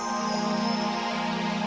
aku akan melacak